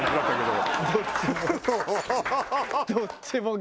どっちも。